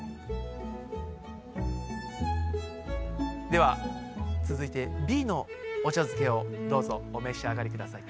では続いてＢのお茶漬けをどうぞお召し上がりください。